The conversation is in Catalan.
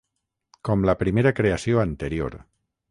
Com la primera creació anterior.